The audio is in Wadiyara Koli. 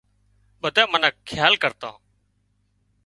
ٻڌانئي منک کيال ڪرتان